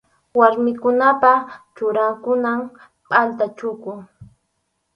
Warmikunapa churakunan pʼalta chuku.